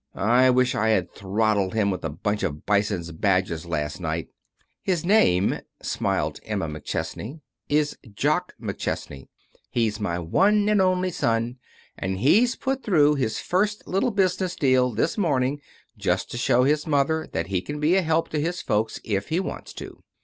I wish I had throttled him with a bunch of Bisons' badges last night." "His name," smiled Emma McChesney, "is Jock McChesney. He's my one and only son, and he's put through his first little business deal this morning just to show his mother that he can be a help to his folks if he wants to.